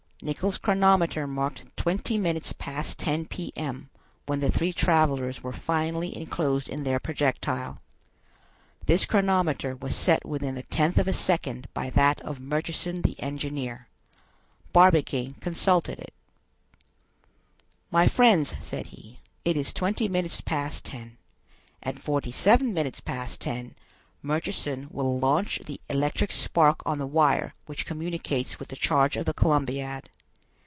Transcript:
Nicholl's chronometer marked twenty minutes past ten P.M. when the three travelers were finally enclosed in their projectile. This chronometer was set within the tenth of a second by that of Murchison the engineer. Barbicane consulted it. "My friends," said he, "it is twenty minutes past ten. At forty seven minutes past ten Murchison will launch the electric spark on the wire which communicates with the charge of the Columbiad.